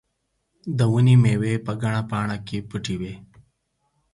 د ونې مېوې په ګڼه پاڼه کې پټې وې.